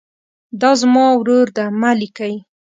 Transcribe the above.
دا زما ورور ده مه لیکئ.